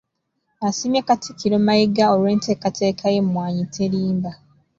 Asiimye Katikkiro Mayiga olw’enteekateeka y’Emmwanyi Terimba.